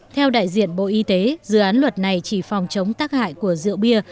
theo đại diện bộ y tế dự án luật này chỉ phòng chống tác hại của rượu bia